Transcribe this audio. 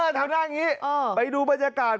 ห๊ะเออทำหน้านี้ไปดูบัญชากาตร